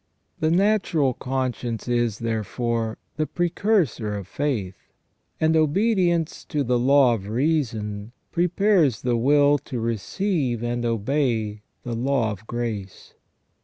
The natural conscience is, therefore, the precursor of faith, and obedience to the law of reason prepares the will to receive and obey the law of grace.